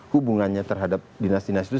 hubungannya terhadap dinas dinas itu